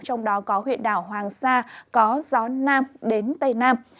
trong đó có huyện đảo hoàng sa có gió nam đến tây nam